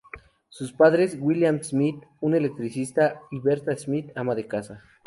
Sus padres William Smyth, un electricista, y Bertha Smith, ama de casa.